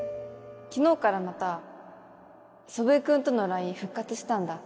昨日からまた祖父江君との ＬＩＮＥ 復活したんだ